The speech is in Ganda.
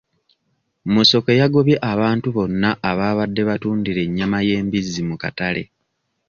Musoke yagobye abantu bonna ababadde batundira ennyama y'embizzi mu katale.